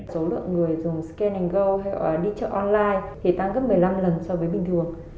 số lượng người dùng scan go hay đi chợ online thì tăng gấp một mươi năm lần so với bình thường